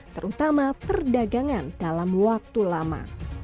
terutama perdagangan dalam waktu lama